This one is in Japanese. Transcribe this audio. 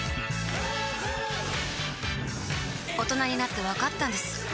大人になってわかったんです